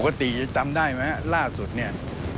ปกติจำได้ไหมล่าสุดเนี่ย